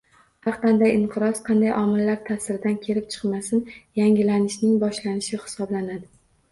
Har qanday inqiroz, qanday omillar ta'siridan kelib chiqmasin, yangilanishning boshlanishi hisoblanadi